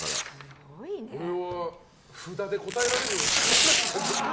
これは札で答えられる質問なんですか？